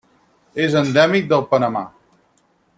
És endèmic del Panamà.